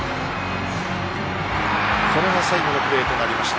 これが最後のプレーとなりました。